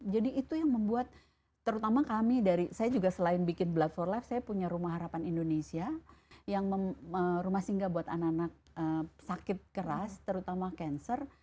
jadi itu yang membuat terutama kami dari saya juga selain bikin blood for life saya punya rumah harapan indonesia yang rumah singga buat anak anak sakit keras terutama cancer